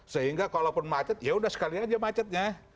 sehingga kalaupun macet yaudah sekali aja macetnya